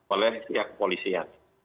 oleh siap kepolisian